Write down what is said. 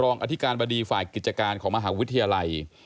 อธิการบดีฝ่ายกิจการของมหาวิทยาลัย